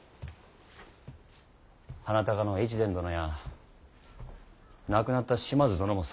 鼻高の越前殿や亡くなった島津殿もそうだ。